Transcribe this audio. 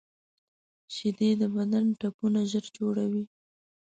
شیدې د بدن ټپونه ژر جوړوي